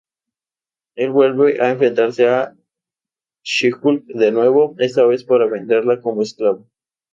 Él vuelve a enfrentarse a She-Hulk de nuevo, esta vez para venderla como esclava.